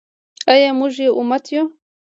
آیا موږ یو امت یو؟